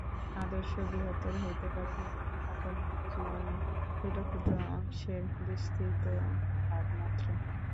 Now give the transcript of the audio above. আদর্শ বৃহত্তর হইতে পারে, কিন্তু ইহা কর্মজীবনের ক্ষুদ্র ক্ষুদ্র অংশের বিস্তৃত ভাবমাত্র।